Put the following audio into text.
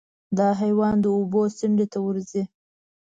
دا حیوان د اوبو څنډې ته ورځي.